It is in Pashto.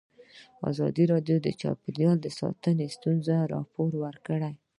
ازادي راډیو د چاپیریال ساتنه ستونزې راپور کړي.